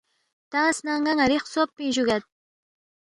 تنگس نہ ن٘ا ن٘ری خسوب پِنگ جُوگید